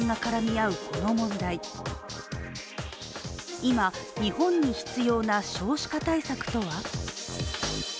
今、日本に必要な少子化対策とは？